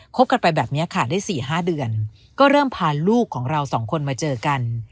กันไปแบบนี้ค่ะได้๔๕เดือนก็เริ่มพาลูกของเราสองคนมาเจอกัน